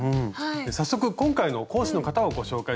早速今回の講師の方をご紹介しましょう。